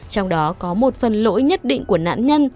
trong đó có một phần lỗi nhất định của nạn nhân